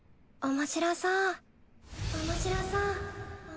面白そう